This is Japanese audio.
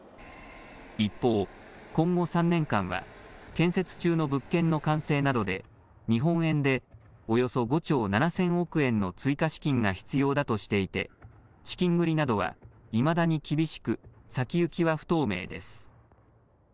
一方、今後３年間は、建設中の物件の完成などで、日本円でおよそ５兆７０００億円の追加資金が必要だとしていて、資金繰りなどはいまだに厳しく、先行きは不透明です。